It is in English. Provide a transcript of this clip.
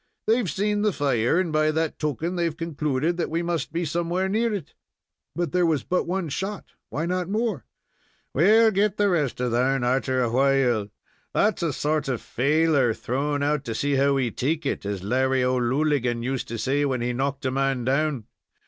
They've seen the fire, and by that token they've concluded that we must be somewhere near it." "But there was but one shot. Why not more?" "We'll get the rest of thern arter awhile. That's a sort of faaler, thrown out to see how we take it, as Larry O'Looligan used to say when he knocked a man down.